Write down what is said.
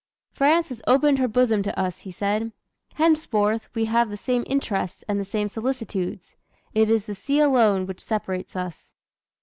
"France has opened her bosom to us," he said. "Henceforth we have the same interests and the same solicitudes. It is the sea alone which separates us."